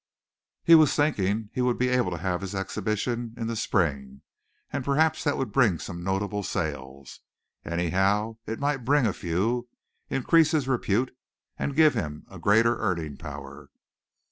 He was thinking he would be able to have his exhibition in the spring, and perhaps that would bring some notable sales. Anyhow it might bring a few, increase his repute and give him a greater earning power.